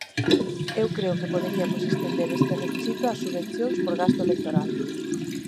Eu creo que poderiamos estender este requisito ás subvencións por gasto electoral.